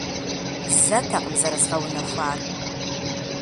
Зэтэкъым зэрызгъэунэхуар.